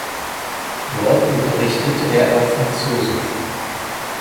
Dort unterrichtete er auch Französisch.